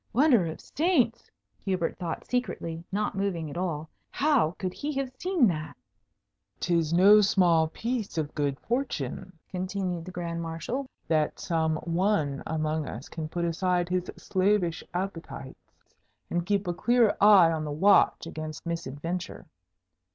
"Wonder of saints!" Hubert thought secretly, not moving at all, "how could he have seen that?" "'Tis no small piece of good fortune," continued the Grand Marshal, "that some one among us can put aside his slavish appetites, and keep a clear eye on the watch against misadventure.